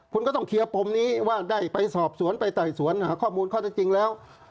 คุณก็ต้องเคลียร์ปมนี้ว่าได้ไปสอบสวนไปไต่สวนหาข้อมูลข้อเท็จจริงแล้ว